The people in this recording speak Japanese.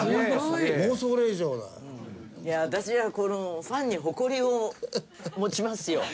いやあ私はこのファンに誇りを持ちますよ。